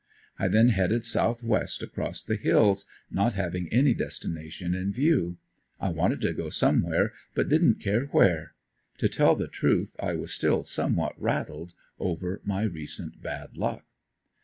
I then headed southwest across the hills, not having any destination in view; I wanted to go somewhere but didn't care where. To tell the truth I was still somewhat rattled over my recent bad luck.